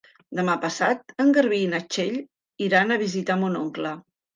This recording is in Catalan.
Demà passat en Garbí i na Txell iran a visitar mon oncle.